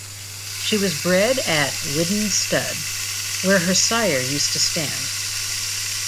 She was bred at Widden Stud, where her sire used to stand.